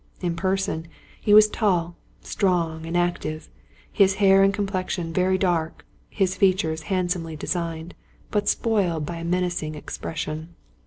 In person, he was tall, strong, and active; his hair and com plexion very dark; his features handsomely designed, but spoiled by a menacing expression.